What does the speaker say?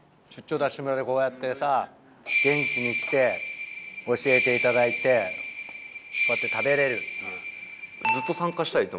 ＤＡＳＨ村でこうやってさ現地に来て教えていただいてこうやって食べれる。